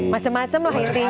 masam masam lah intinya